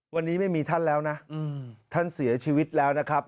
วันนี้ไม่มีท่านแล้วนะท่านเสียชีวิตแล้วนะครับ